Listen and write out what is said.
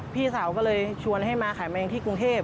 พี่สาวก็เลยชวนให้มาขายแมลงที่กรุงเทพ